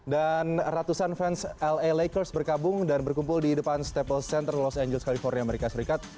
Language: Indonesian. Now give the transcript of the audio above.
ratusan fans la lakers berkabung dan berkumpul di depan steple center los angeles california amerika serikat